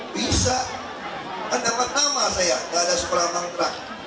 bisa kan dapat nama saya gak ada seberapa ngerang